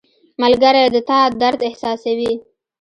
• ملګری د تا درد احساسوي.